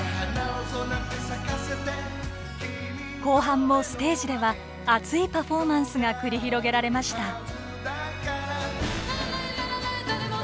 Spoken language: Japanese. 後半もステージでは熱いパフォーマンスが繰り広げられました。